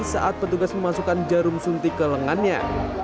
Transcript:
saat petugas memasukkan jarum suntik ke lengannya